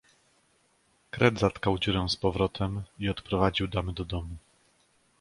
"Kret zatkał dziurę z powrotem i odprowadził damy do domu."